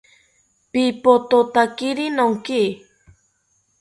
Pipothotakiri nonki